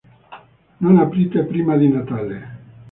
Non aprite prima di Natale!